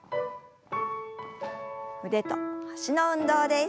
腕と脚の運動です。